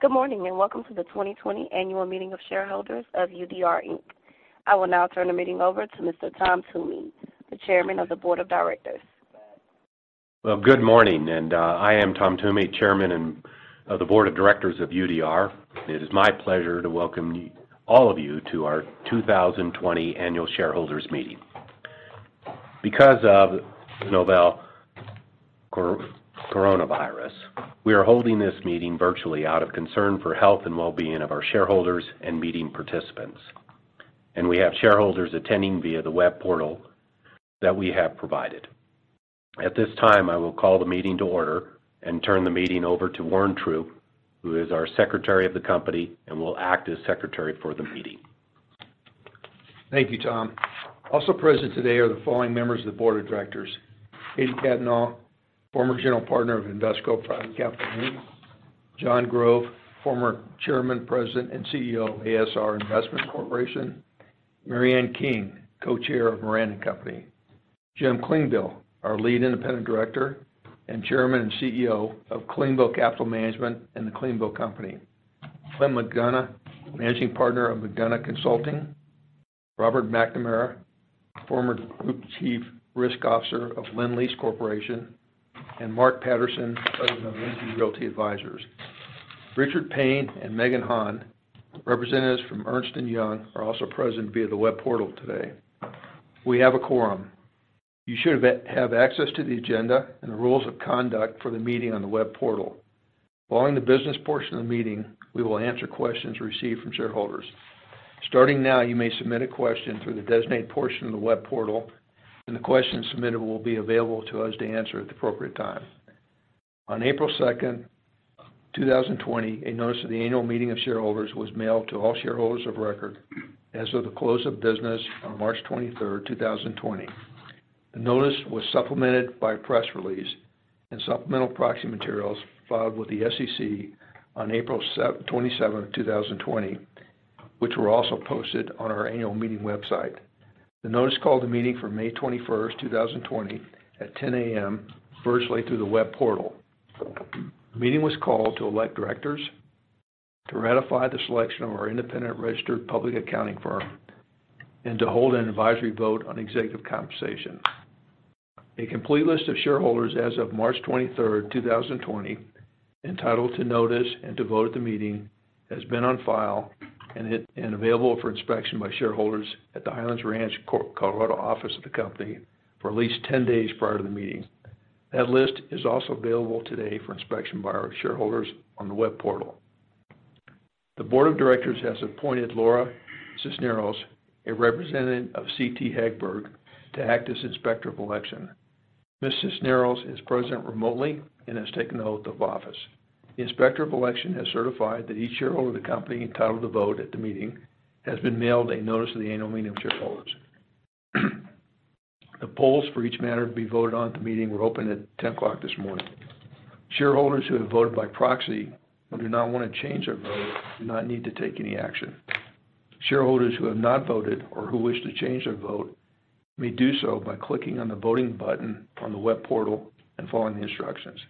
Good morning, and welcome to the 2020 annual meeting of shareholders of UDR, Inc. I will now turn the meeting over to Mr. Tom Toomey, the Chairman of the Board of Directors. Well, good morning. I am Tom Toomey, Chairman of the Board of Directors of UDR. It is my pleasure to welcome all of you to our 2020 Annual Shareholders Meeting. Because of the novel coronavirus, we are holding this meeting virtually out of concern for health and well-being of our shareholders and meeting participants, and we have shareholders attending via the web portal that we have provided. At this time, I will call the meeting to order and turn the meeting over to Warren Troupe, who is our Secretary of the company and will act as secretary for the meeting. Thank you, Tom. Also present today are the following members of the Board of Directors, Katie Cattanach, former General Partner of Invesco Private Capital, Inc., Jon Grove, former Chairman, President, and CEO of ASR Investments Corp., Mary Ann King, Co-Chair of Moran & Company, Jim Klingbeil, our Lead Independent Director and Chairman and CEO of Klingbeil Capital Management and The Klingbeil Company, Flynn McGunnegle, Managing Partner of McGunnegle Consulting, Robert McNamara, former Group Chief Risk Officer of Lendlease Corp., and Mark Patterson of Lindsay Realty Advisors. Richard Payne and Megan Hahn, representatives from Ernst & Young, are also present via the web portal today. We have a quorum. You should have access to the agenda and the rules of conduct for the meeting on the web portal. Following the business portion of the meeting, we will answer questions received from shareholders. Starting now, you may submit a question through the designated portion of the web portal, and the questions submitted will be available to us to answer at the appropriate time. On April 2nd, 2020, a notice of the annual meeting of shareholders was mailed to all shareholders of record as of the close of business on March 23rd, 2020. The notice was supplemented by a press release and supplemental proxy materials filed with the SEC on April 27th, 2020, which were also posted on our annual meeting website. The notice called the meeting for May 21st, 2020, at 10:00 A.M., virtually through the web portal. The meeting was called to elect directors, to ratify the selection of our independent registered public accounting firm, and to hold an advisory vote on executive compensation. A complete list of shareholders as of March 23rd, 2020, entitled to notice and to vote at the meeting, has been on file and available for inspection by shareholders at the Highlands Ranch, Colorado, office of the company for at least 10 days prior to the meeting. That list is also available today for inspection by our shareholders on the web portal. The board of directors has appointed Laura Sisneros, a representative of CT Hagberg, to act as Inspector of Election. Ms. Sisneros is present remotely and has taken the oath of office. The Inspector of Election has certified that each shareholder of the company entitled to vote at the meeting has been mailed a notice of the annual meeting of shareholders. The polls for each matter to be voted on at the meeting were open at 10:00 A.M. this morning. Shareholders who have voted by proxy or do not want to change their vote do not need to take any action. Shareholders who have not voted or who wish to change their vote may do so by clicking on the voting button on the web portal and following the instructions.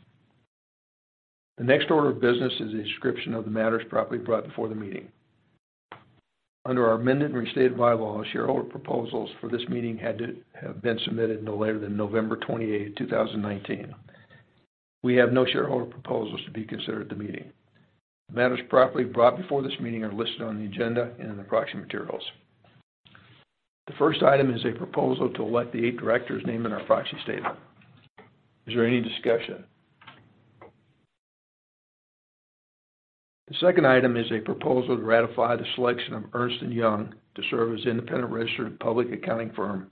The next order of business is a description of the matters properly brought before the meeting. Under our amended and restated bylaws, shareholder proposals for this meeting had to have been submitted no later than November 28th, 2019. We have no shareholder proposals to be considered at the meeting. The matters properly brought before this meeting are listed on the agenda and in the proxy materials. The first item is a proposal to elect the eight directors named in our proxy statement. Is there any discussion? The second item is a proposal to ratify the selection of Ernst & Young to serve as independent registered public accounting firm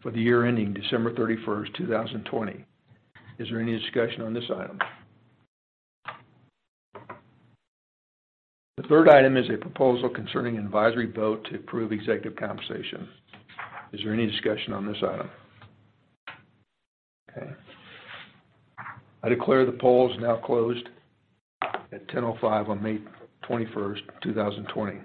for the year ending December 31st, 2020. Is there any discussion on this item? The third item is a proposal concerning an advisory vote to approve executive compensation. Is there any discussion on this item? Okay. I declare the polls now closed at 10:05 A.M. on May 21st, 2020.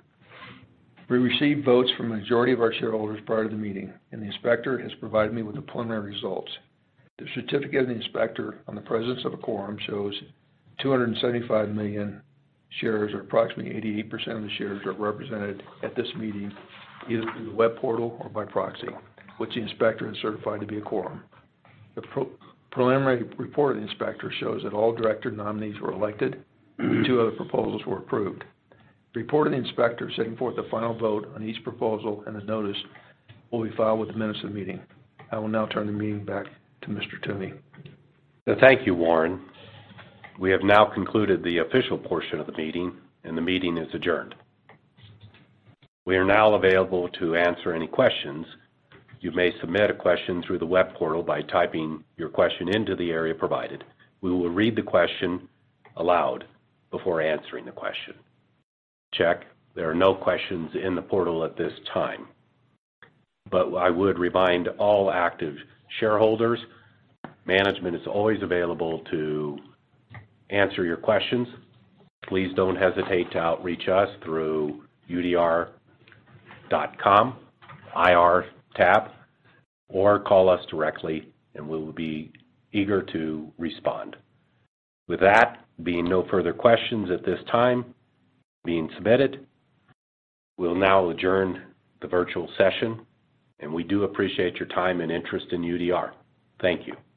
We received votes from a majority of our shareholders prior to the meeting. The inspector has provided me with the preliminary results. The certificate of the inspector on the presence of a quorum shows 275 million shares, or approximately 88% of the shares, are represented at this meeting, either through the web portal or by proxy, which the inspector has certified to be a quorum. The preliminary report of the inspector shows that all director nominees were elected, and two other proposals were approved. The report of the inspector setting forth the final vote on each proposal and the notice will be filed with the minutes of the meeting. I will now turn the meeting back to Mr. Toomey. Thank you, Warren. We have now concluded the official portion of the meeting, and the meeting is adjourned. We are now available to answer any questions. You may submit a question through the web portal by typing your question into the area provided. We will read the question aloud before answering the question. Check. There are no questions in the portal at this time. I would remind all active shareholders, management is always available to answer your questions. Please don't hesitate to outreach us through udr.com, IR tab, or call us directly, and we will be eager to respond. With that, being no further questions at this time being submitted, we'll now adjourn the virtual session, and we do appreciate your time and interest in UDR. Thank you.